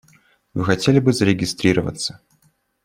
Вы хотели бы зарегистрироваться?